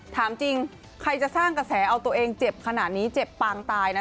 ถามจริงใครจะสร้างกระแสเอาตัวเองเจ็บขนาดนี้เจ็บปางตายนะ